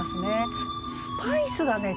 「スパイス」がね